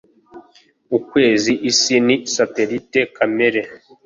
ukwezi Isi ni satellite kamere.